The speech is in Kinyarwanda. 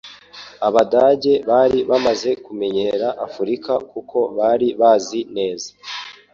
Abadage bari bamaze kumenyera Afurika kuko bari bazi neza